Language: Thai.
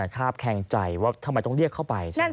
คนก็แข้งใจว่าทำไมต้องเรียกเข้าไป